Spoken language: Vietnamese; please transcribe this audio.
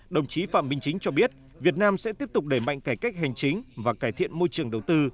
đồng chí phạm minh chính cho biết việt nam sẽ tiếp tục đẩy mạnh cải cách hành chính và cải thiện môi trường đầu tư